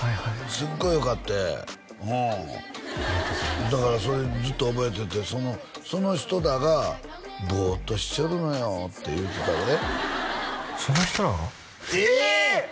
すごいよかってうんありがとうございますだからずっと覚えててその人らがボーッとしちょるのよって言うてたでその人らが？え！？